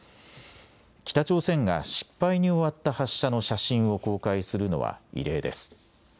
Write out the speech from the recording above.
北朝鮮が失敗に終わった発射の写真を公開するのは異例です。